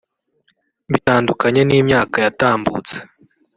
Bitandukanye n’imyaka yatambutse